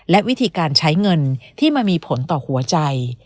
และวิธีการใช้เงินที่มันมีผลต่อหัวใจ